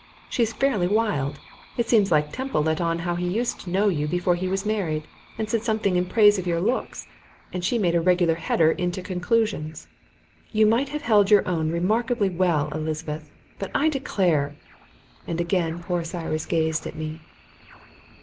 She's fairly wild. It seems Temple let on how he used to know you before he was married, and said something in praise of your looks, and she made a regular header into conclusions. You have held your own remarkably well, Elizabeth, but I declare " And again poor Cyrus gazed at me.